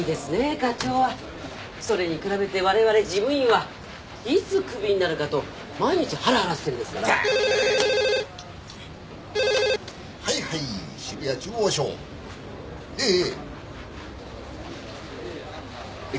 課長はそれに比べてわれわれ事務員はいつクビになるかと毎日ハラハラしてるんですから・☎はいはい渋谷中央署えええええっ